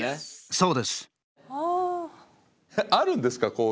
そうです。